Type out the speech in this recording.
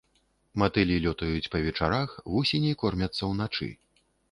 Матылі лётаюць па вечарах, вусені кормяцца ўначы.